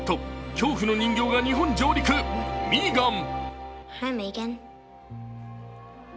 恐怖の人形が日本上陸、「Ｍ３ＧＡＮ／ミーガン」。